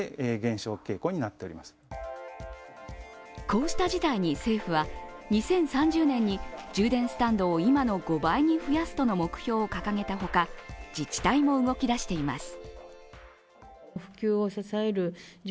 こうした事態に政府は２０３０年に充電スタンドを今の５倍に増やすとの目標を掲げたほか自治体も動き出しています。